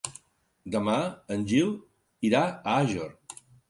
Demà en Gil irà a Àger.